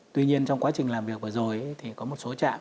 tuy nhiên trong quá trình làm việc vừa rồi thì có một số trạm